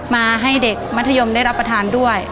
มาให้เด็กมัธยมได้รับประทานด้วย